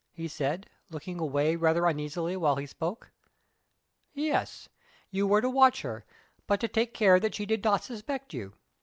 he said, looking away rather uneasily while he spoke. "Yes; you were to watch her, but to take care that she did not suspect you.